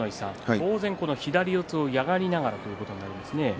当然、左四つを嫌がりながらということになりますね。